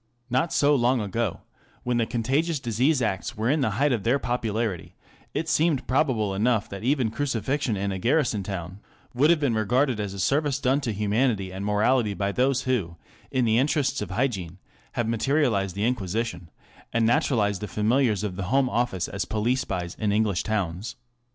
Not so long ago, when the Contagious Diseases Acts were in the height of their popularity, it seemed probable enough that even crucifixion in a garrison town would have been regarded as a service done to humanity and morality by those who, in the interests of hygiene, have materialized the Inquisition, and naturalized the familiars of the Home Office as police spies in English towns.